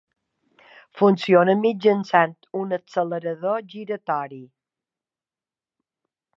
Funciona mitjançant un accelerador giratori.